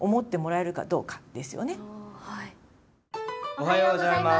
おはようございます。